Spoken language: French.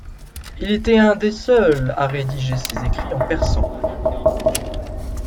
Il était un des seuls à rédiger ses écrits en persan.